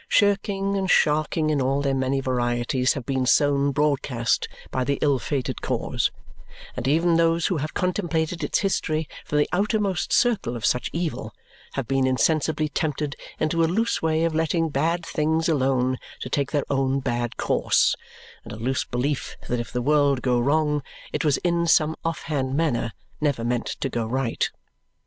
Shirking and sharking in all their many varieties have been sown broadcast by the ill fated cause; and even those who have contemplated its history from the outermost circle of such evil have been insensibly tempted into a loose way of letting bad things alone to take their own bad course, and a loose belief that if the world go wrong it was in some off hand manner never meant to go right.